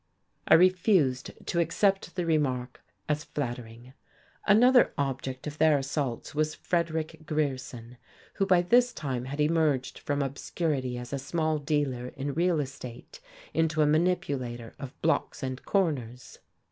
I refused to accept the remark as flattering. Another object of their assaults was Frederick Grierson, who by this time had emerged from obscurity as a small dealer in real estate into a manipulator of blocks and corners.